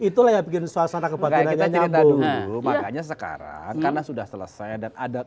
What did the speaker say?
itu lah ya bikin suasana kebakaran nyambung makanya sekarang karena sudah selesai dan ada